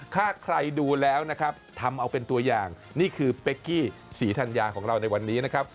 ถ้าใครดูแล้วนะครับทำเอาเป็นตัวอย่างนี่คือเป๊กกี้ศรีธัญญาของเราในวันนี้นะครับ